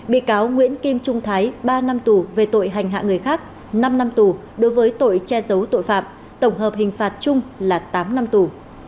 bị cáo nguyễn kim trung thái ba năm tù về tội hành hạ người khác năm năm tù đối với tội che giấu tội phạm tổng hợp hình phạt chung là tám năm tù